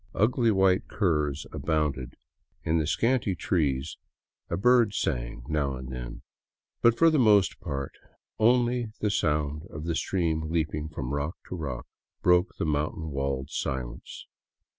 Ugly white curs abounded ; in the scanty trees a bird sang now and then ; but for the most part only the sound of the stream leaping from rock to rock broke the mountain walled silence.